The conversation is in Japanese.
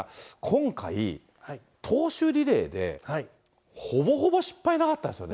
今回、投手リレーでほぼほぼ失敗なかったですよね。